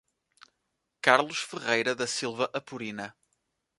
Carlos Ferreira da Silva Apurina